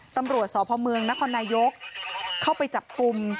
ตำรวจสพนนเข้าไปจับปุ่ม